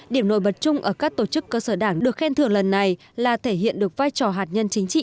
điểm nổi bật chung ở các tổ chức cơ sở đảng được khen thưởng lần này là thể hiện được vai trò hạt nhân chính trị